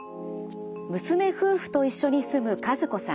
娘夫婦と一緒に住む和子さん。